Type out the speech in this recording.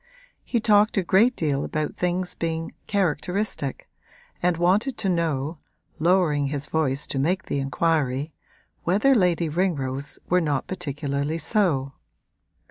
He talked a great deal about things being characteristic, and wanted to know, lowering his voice to make the inquiry, whether Lady Ringrose were not particularly so.